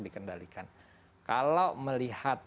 dikendalikan kalau melihat